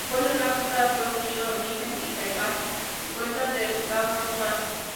Se encuentran en África: ríos Nilo, Níger y Senegal, y cuenca del lago Chad.